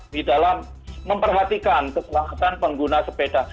di dalam memperhatikan keselamatan pengguna sepeda